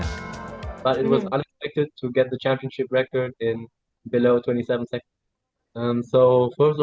dan saya tidak memiliki target untuk hangzhou karena itu di china